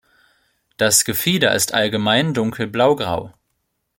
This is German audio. Das Gefieder ist allgemein dunkel blaugrau.